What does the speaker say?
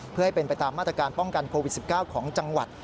เพื่อให้เป็นไปตามมาตรการป้องกันโควิด๑๙ของจังหวัด